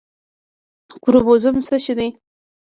کروموزوم څه شی دی